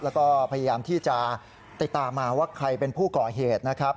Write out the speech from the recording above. แล้วก็พยายามที่จะติดตามมาว่าใครเป็นผู้ก่อเหตุนะครับ